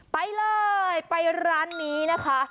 ไปเลยไปร้านนี้นะคะ